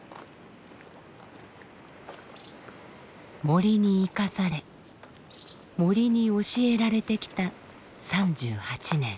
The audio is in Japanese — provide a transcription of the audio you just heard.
森に生かされ森に教えられてきた３８年。